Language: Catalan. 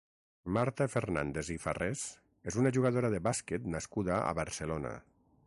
Marta Fernández i Farrés és una jugadora de bàsquet nascuda a Barcelona.